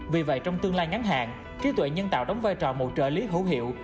vì vậy trong tương lai ngắn hạn kỹ thuật nhân tạo đóng vai trò mẫu trợ lý hữu hiệu